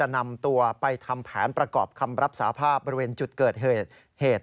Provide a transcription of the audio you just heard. นำตัวไปทำแผนประกอบคำรับสาภาพบริเวณจุดเกิดเหตุ